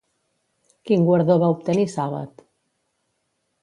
Quin guardó va obtenir Sàbat?